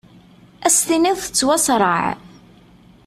As-tiniḍ tettwasraɛ.